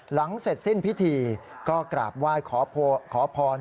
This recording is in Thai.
หลังเสร็จสิ้นพิธีก็กราบไหว้ขอพร